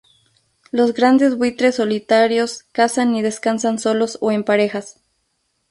Los grandes buitres solitarios cazan y descansan solos o en parejas.